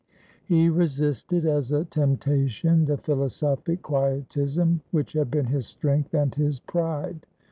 He resisted as a temptation the philosophic quietism which had been his strength and his pride.